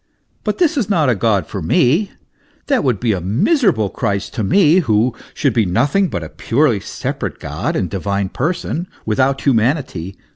But this is not a God for me That would be a miserable Christ to me, who should be nothing but a purely separate God and divine person without hu manity.